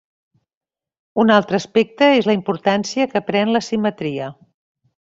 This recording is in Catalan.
Un altre aspecte és la importància que pren la simetria.